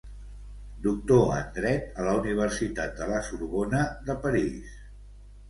Doctor en Dret a la Universitat de la Sorbona de París.